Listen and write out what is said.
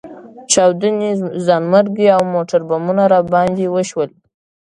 چاودنې، ځانمرګي او موټربمونه راباندې وشول.